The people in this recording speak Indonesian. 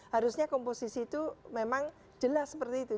harusnya komposisi itu memang jelas seperti itu